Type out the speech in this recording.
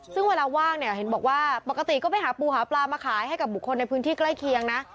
ซึ่งเวลาว่างเนี่ยเห็นบอกว่าปกติก็ไปหาปูหาปลามาขายให้กับบุคคลในพื้นที่ใกล้เคียงนะ